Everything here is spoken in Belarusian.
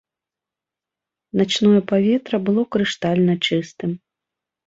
Начное паветра было крыштальна чыстым.